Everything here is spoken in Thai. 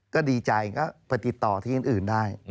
ก็ดีใจก็ไปติดต่อที่อื่นได้